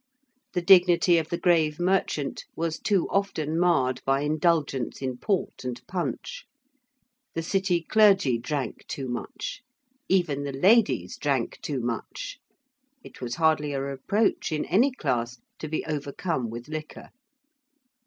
The dignity of the grave merchant was too often marred by indulgence in port and punch: the City clergy drank too much: even the ladies drank too much: it was hardly a reproach, in any class, to be overcome with liquor.